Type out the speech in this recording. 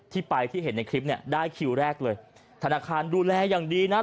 ที่ไปที่เห็นในคลิปเนี่ยได้คิวแรกเลยธนาคารดูแลอย่างดีนะ